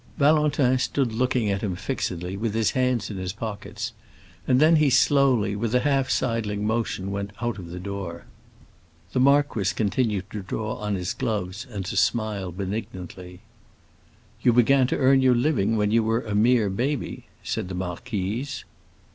Valentin stood looking at him fixedly, with his hands in his pockets, and then he slowly, with a half sidling motion, went out of the door. The marquis continued to draw on his gloves and to smile benignantly. "You began to earn your living when you were a mere baby?" said the marquise.